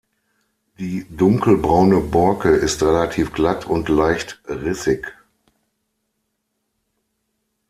Die dunkelbraune Borke ist relativ glatt und leicht rissig.